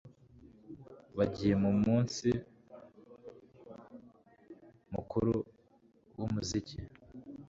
Bagiye mu munsi mukuru wumuziki